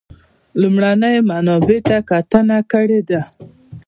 د لومړنیو منابعو ته کتنه کړې ده.